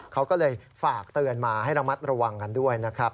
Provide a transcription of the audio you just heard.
เขาก็เลยฝากเตือนมาให้ระมัดระวังกันด้วยนะครับ